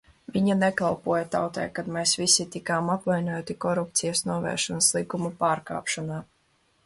Viņi nekalpoja tautai, kad mēs visi tikām apvainoti Korupcijas novēršanas likuma pārkāpšanā.